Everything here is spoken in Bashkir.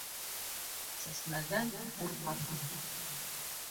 Сәсмәгән урмаҫ.